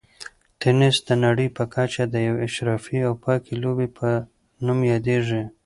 تېنس د نړۍ په کچه د یوې اشرافي او پاکې لوبې په نوم یادیږي.